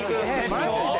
マジで！？